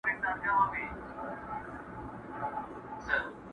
له قاصده سره نسته سلامونه!!